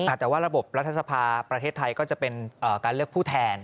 แต่ว่าระบบรัฐสภาประเทศไทยก็จะเป็นการเลือกผู้แทน